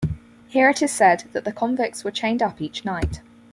Here it is said that the convicts were chained up each night.